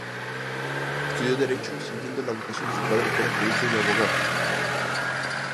Estudió Derecho, siguiendo la vocación de su padre, que era jurista y abogado.